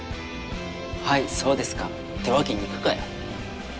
「はいそうですか」ってわけにいくかよ。